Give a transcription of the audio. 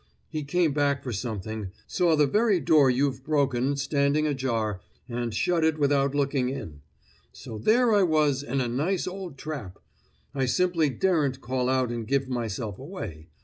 He came back for something, saw the very door you've broken standing ajar, and shut it without looking in. So there I was in a nice old trap! I simply daren't call out and give myself away.